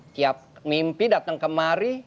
tiap mimpi dateng kemari